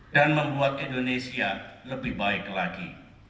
dan membuat indonesia lebih baik lagi